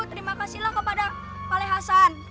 terima kasihlah kepada pale hasan